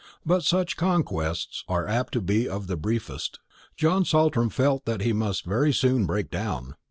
But such conquests are apt to be of the briefest. John Saltram felt that he must very soon break down.